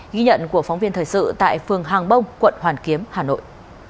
ghi nhận của phóng viên thời sự tại phường hàng bông quận hoàn kiếm hà nội